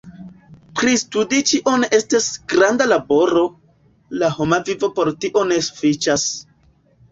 Pristudi ĉion estas granda laboro, la homa vivo por tio ne sufiĉas.